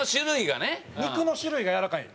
肉の種類がやわらかい？